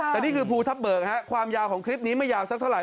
แต่นี่คือภูทับเบิกความยาวของคลิปนี้ไม่ยาวสักเท่าไห